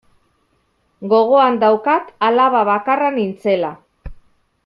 Gogoan daukat alaba bakarra nintzela.